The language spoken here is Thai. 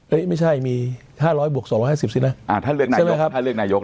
เอ๊ะไม่ใช่มีห้าร้อยบวกสองร้อยห้าสิบสินะอ่าถ้าเลือกนายกถ้าเลือกนายกนั้น